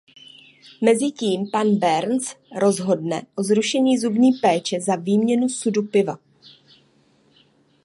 Mezitím Pan Burns rozhodne o zrušení zubní péče za výměnu sudu piva.